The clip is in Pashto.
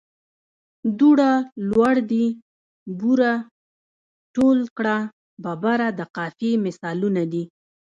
دوړه، لوړ دي، بوره، ټول کړه، ببره د قافیې مثالونه.